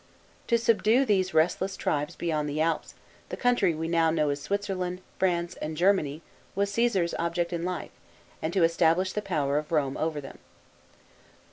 To subdue these restless tribes beyond the Alps the country we now know as Switzerland, France, and Germany was Caesar's object in life, and to establish the power of Rome over them.